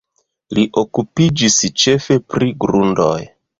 Li okupiĝis ĉefe pri grundoj.